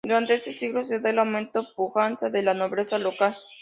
Durante este siglo se da el aumento y pujanza de la nobleza local.